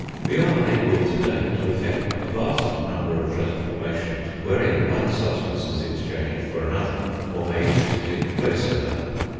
We are able to day to effect a vast number of transformations wherein one substance is exchanged for another, or made to take the place of another.